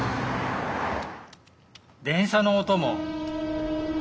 電車の音も。